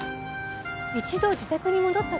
一度自宅に戻ったって